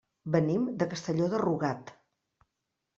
Venim de Castelló de Rugat.